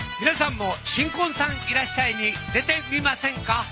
皆さんも新婚さんいらっしゃい！に出てみませんか？